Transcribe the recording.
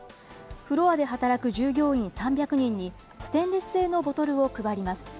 フロアで働く従業員３００人にステンレス製のボトルを配ります。